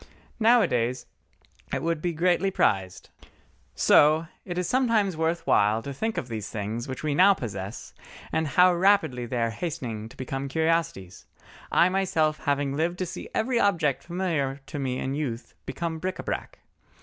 Nowadays it would be greatly prized. So it is sometimes worth while to think of these things which we now possess, and how rapidly they are hastening to become curiosities—I myself having lived to see every object familiar to me in youth become bric à brac.